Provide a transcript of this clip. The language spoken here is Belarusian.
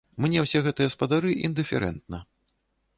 Мне ўсе гэтыя спадары індыферэнтна.